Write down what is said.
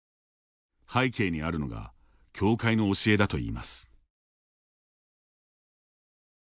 背景にあるのが教会の教えだといいます。